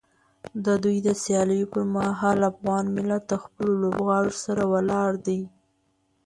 د دوی د سیالیو پر مهال افغان ملت د خپلو لوبغاړو سره ولاړ دی.